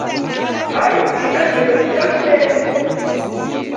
Hai, ni kajighe katineri!